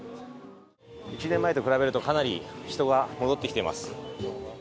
１年前と比べるとかなり人が戻ってきています。